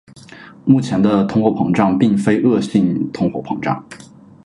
目前的通货膨胀并非恶性通货膨胀。